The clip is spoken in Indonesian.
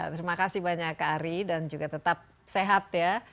terima kasih banyak ari dan juga tetap sehat ya